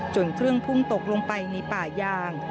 เครื่องพุ่งตกลงไปในป่ายาง